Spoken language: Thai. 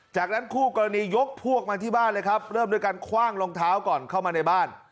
จากนั้นคู่กรณียกพวกมาที่บ้านเลยครับเริ่มด้วยการคว่างรองเท้าก่อนเข้ามาในบ้าน